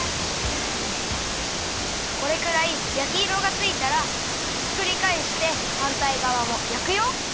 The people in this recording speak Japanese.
これくらいやきいろがついたらひっくりかえしてはんたいがわもやくよ！